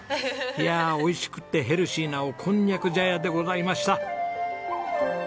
いやあ美味しくってヘルシーなおこんにゃく茶屋でございました。